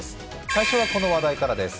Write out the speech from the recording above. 最初はこの話題からです。